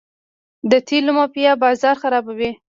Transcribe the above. د تیلو مافیا بازار خرابوي.